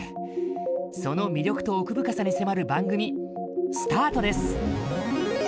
その魅力と奥深さに迫る番組スタートです。